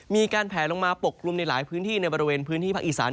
มีการแผลลงมาปกกลุ่มในหลายพื้นที่ในบริเวณพื้นที่ภาคอีสาน